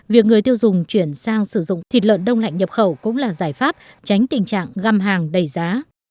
việc người tiêu dùng chuyển sang sử dụng thịt lợn đông lạnh nhập khẩu cũng là giải pháp tránh tình trạng găm hàng đầy giá